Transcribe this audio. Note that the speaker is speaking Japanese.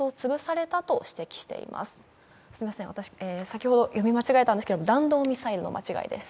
先ほど、読み間違えたんですが、弾道ミサイルの間違いです。